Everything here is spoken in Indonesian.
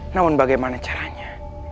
namun bagaimana caranya